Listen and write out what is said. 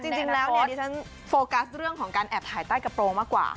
จริงแล้วเนี่ยดิฉันโฟกัสเรื่องของการแอบถ่ายใต้กระโปรงมากกว่า